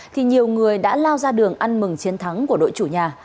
thì nhiều người đã lao ra đường ăn mừng chiến thắng của đội chủ nhà